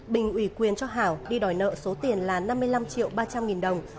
bình ủy quyền cho hảo đi đòi nợ số tiền là năm mươi năm triệu ba trăm linh nghìn đồng